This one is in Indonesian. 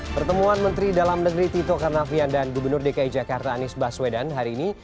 pertemuan menteri dalam negeri tito karnavian dan gubernur dki jakarta anies baswedan hari ini